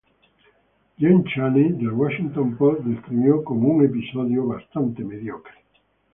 Jen Chaney del "Washington Post" describió como un "episodio bastante mediocre".